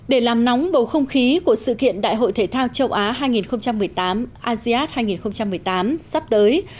để làm nóng bầu không khí của sự kiện đại hội thể thao châu á hai nghìn một mươi tám asean hai nghìn một mươi tám sắp tới